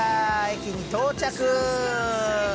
駅に到着。